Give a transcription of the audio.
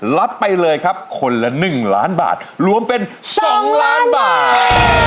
รับไปเลยครับคนละ๑ล้านบาทรวมเป็น๒ล้านบาท